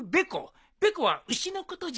べこは牛のことじゃ。